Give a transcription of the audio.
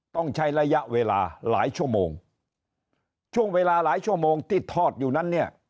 ต้องใช้ระยะเวลาหลายชั่วโมงช่วงเวลาหลายชั่วโมงที่ทอดอยู่นั้นเนี่ย